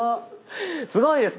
すごいです。